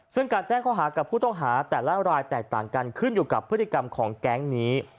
ซึ่งการแจ้งข้อหากับผู้ต้องหาแต่ละรายแตกต่างกันขึ้นอยู่กับพฤติกรรมของแก๊งนี้